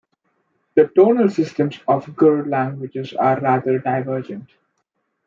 The tonal systems of Gur languages are rather divergent.